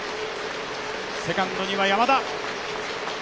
セカンドには山田。